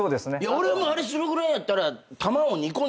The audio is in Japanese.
俺もあれするぐらいやったら。